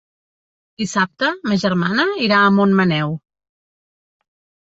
Dissabte ma germana irà a Montmaneu.